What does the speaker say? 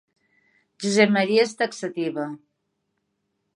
Josep Maria és taxativa.